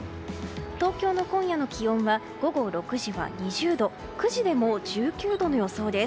東京の今夜の気温は午後６時は２０度９時でも１９度の予想です。